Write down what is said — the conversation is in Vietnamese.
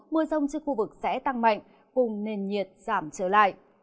mưa rông trên khu vực sẽ tăng mạnh cùng nền nhiệt giảm trở lại